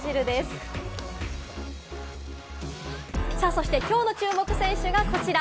そして、きょうの注目選手がこちら。